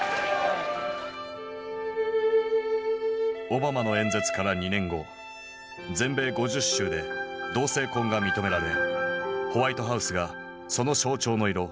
オバマの演説から２年後全米５０州で同性婚が認められホワイトハウスがその象徴の色